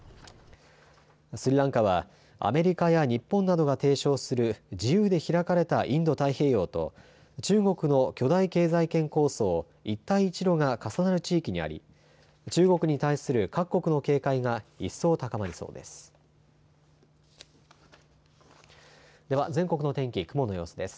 スリランカはアメリカや日本などが提唱する自由で開かれたインド太平洋と中国の巨大経済圏構想、一帯一路が重なる地域にあり中国に対する各国の警戒が一層高まりそうです。